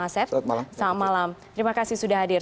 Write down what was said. selamat malam terima kasih sudah hadir